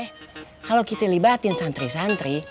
eh kalau kita libatin santri santri